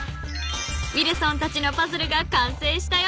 ［ウィルソンたちのパズルがかんせいしたよ］